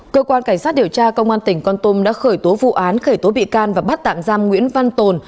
cơ quan cảnh sát điều tra công an tỉnh con tôm đã khởi tố vụ án khởi tố bị can và bắt tạm giam nguyễn văn tồn